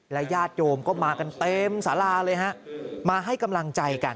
และยาดโยมมาเต็มศาลานะครับให้กำลังใจกัน